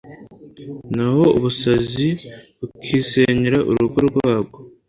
naho ubusazi bukisenyera urugo rwabwo